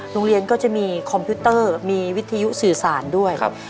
โรงเรียนก็จะมีคอมพิวเตอร์มีวิทยุสื่อสารด้วย